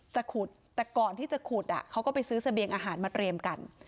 จะขุดแต่ก่อนที่จะขุดเขาก็ไปซื้อเสบียงอาหารมาเตรียมกัน